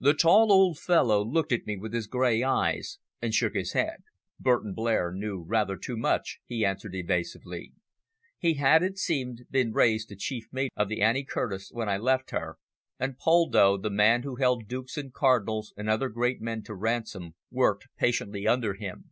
The tall old fellow looked at me with his grey eyes and shook his head. "Burton Blair knew rather too much," he answered evasively. "He had, it seemed, been raised to chief mate of the Annie Curtis, when I left her, and Poldo, the man who had held dukes and cardinals and other great men to ransom, worked patiently under him.